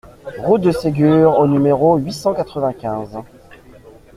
Route de Ségur au numéro huit cent quatre-vingt-quinze